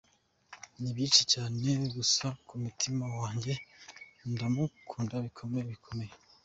Ni byinshi cyane, gusa ku mutima wanjye ndamukunda bikomeye, bikomeye.